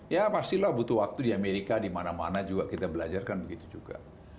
ya pastilah butuh waktu di amerika di mana mana juga kita belajarkan begitu juga